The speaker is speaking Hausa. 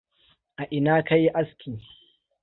A ina ka yi aski?